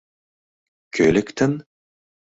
— Кӧ лектын?